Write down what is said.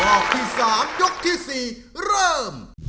รอบที่๓ยกที่๔เริ่ม